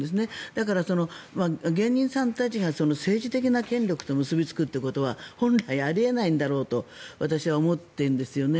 だから、芸人さんたちが政治的な権力と結びつくっていうことは本来あり得ないんだろうと私は思っているんですよね。